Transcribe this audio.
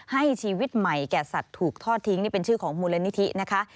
ให้ชีวิตใหม่แก่สัตว์ถูกทอดทิ้งนี่เป็นชื่อของมูลนิธินะคะ